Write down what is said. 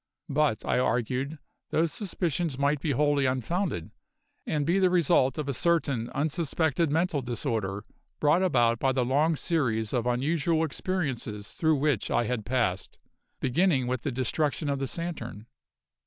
But, I argued, those suspicions might be wholly unfounded, and be the result of a certain unsuspected mental disorder brought about by the long series of unusual experiences through which I had passed, beginning with the destruction of the Saturn.